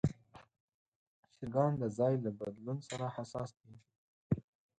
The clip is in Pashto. چرګان د ځای له بدلون سره حساس دي.